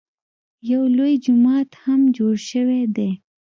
یو لوی جومات هم جوړ شوی دی.